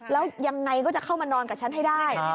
แล้วยังไงก็จะเข้ามานอนกับฉันให้ได้